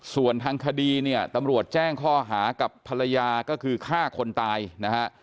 ส่วนทางคดีเนี่ยตำรวจแจ้งข้อหากับภรรยาก็คือฆ่าคนตายนะฮะ